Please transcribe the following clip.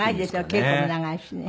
稽古も長いしね。